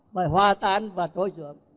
bởi hòa tan và trôi dưỡng